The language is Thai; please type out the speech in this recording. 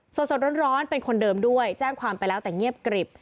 สดร้อนเป็นคนเดิมด้วยแจ้งความไปแล้วแต่เงียบกริบ